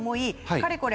かれこれ